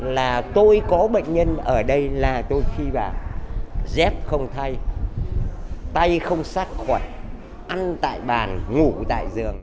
khi bạn dép không thay tay không sát khuẩn ăn tại bàn ngủ tại giường